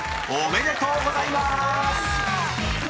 ［おめでとうございまーす！］